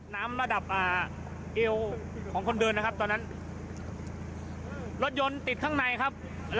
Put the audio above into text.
น้ำระดับอ่าเอวของคนเดินนะครับตอนนั้นรถยนต์ติดข้างในครับ